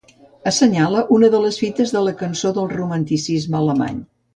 Assenyala una de les fites de la cançó del Romanticisme alemany.